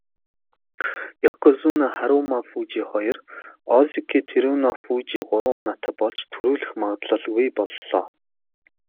Ёкозүна Харүмафүжи хоёр, озеки Тэрүнофүжи гурван унаатай болж түрүүлэх магадлалгүй боллоо.